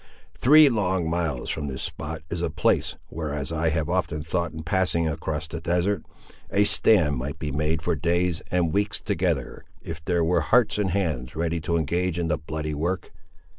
Three long miles from this spot is a place, where as I have often thought in passing across the desert, a stand might be made for days and weeks together, if there were hearts and hands ready to engage in the bloody work."